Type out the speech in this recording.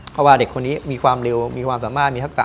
เพราะว่าเด็กคนนี้มีความเร็วมีความสามารถมีทักกะ